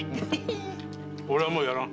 俺はもうやらん！